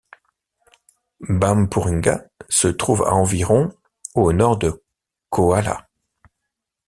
Bampouringa se trouve à environ au Nord de Coalla.